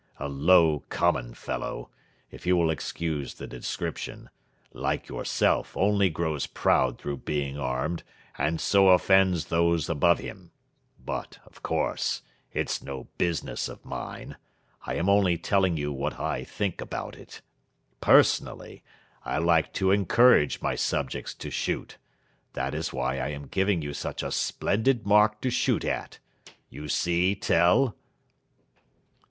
A low, common fellow if you will excuse the description like yourself only grows proud through being armed, and so offends those above him. But, of course, it's no business of mine. I am only telling you what I think about it. Personally, I like to encourage my subjects to shoot; that is why I am giving you such a splendid mark to shoot at. You see, Tell?"